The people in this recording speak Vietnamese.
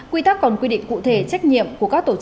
quy tắc còn quy định cụ thể trách nhiệm của các tổ chức